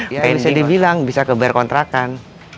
ya ini bisa dibilang bisa kebayar kontrakan